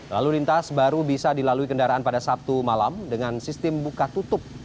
lalu lintas baru bisa dilalui kendaraan pada sabtu malam dengan sistem buka tutup